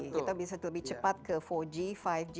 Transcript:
kita bisa lebih cepat ke empat g lima g